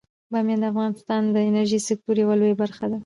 بامیان د افغانستان د انرژۍ د سکتور یوه لویه برخه ده.